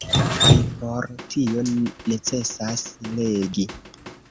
Kaj por tio necesas legi.